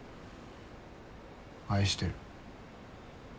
愛してる。